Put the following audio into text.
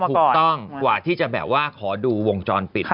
ถูกต้องกว่าที่จะแบบว่าขอดูวงจรปิด